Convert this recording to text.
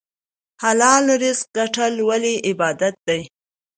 حلال رزق ګټل ولې عبادت دی؟